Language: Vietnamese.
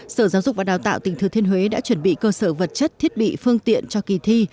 sở giáo dục và đào tạo tỉnh thừa thiên huế đã chuẩn bị cơ sở vật chất thiết bị phương tiện cho kỳ thi